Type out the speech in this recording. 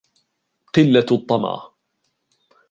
قِلَّةُ الطَّمَعِ